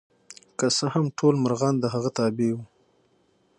که څه هم ټول مرغان د هغه تابع وو.